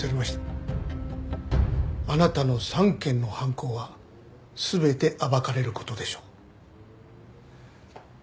あなたの３件の犯行は全て暴かれる事でしょう。